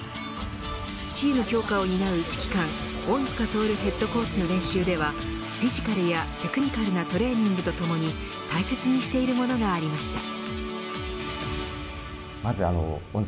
チーム強化を担う指揮官恩塚亨ヘッドコーチの練習ではフィジカルやテクニカルなトレーニングとともに大切にしているものがありました。